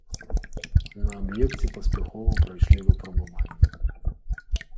На аб'екце паспяхова прайшлі выпрабаванні.